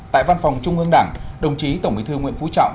tại văn phòng trung ương đảng đồng chí tổng bí thư nguyễn phú trọng